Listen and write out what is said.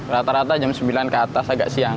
rata rata jam sembilan ke atas agak siang